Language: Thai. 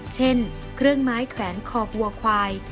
เช่นเครื่องไม้แขวนคอกลัวควาย